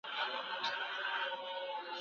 لس منفي اووه؛ درې کېږي.